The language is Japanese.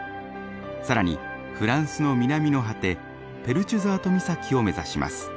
更にフランスの南の果てペルチュザート岬を目指します。